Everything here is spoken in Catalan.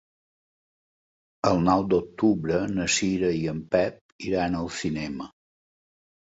El nou d'octubre na Cira i en Pep iran al cinema.